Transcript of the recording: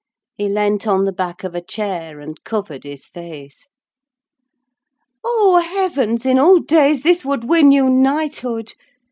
He leant on the back of a chair, and covered his face. "Oh, heavens! In old days this would win you knighthood!"